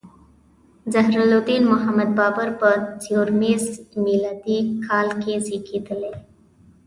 ظهیرالدین محمد بابر په سپوږمیز میلادي کال کې زیږیدلی.